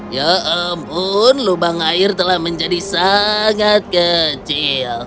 ya ampun lubang air telah menjadi sangat kecil